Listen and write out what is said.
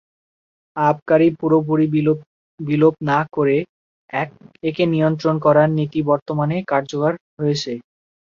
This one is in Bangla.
আবকারি পুরোপুরি বিলোপ না করে একে নিয়ন্ত্রণ করার নীতি বর্তমানেও কার্যকর রয়েছে।